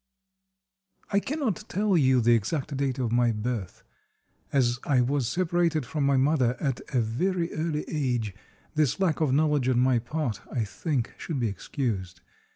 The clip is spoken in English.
I cannot tell you the exact date of my birth. As I was separated from my mother at a very early age, this lack of knowledge on my part, I think, should be excused.